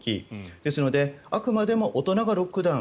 ですので、あくまでも大人がロックダウン